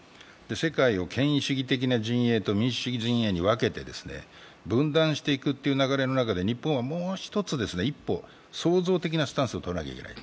世界を権威主義的な陣営と民主主義的な陣営に分けて分断していくという流れの中で、日本はもう一歩、創造的なスタンスをとらなきゃいけない。